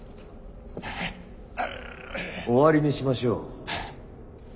終わりにしましょう。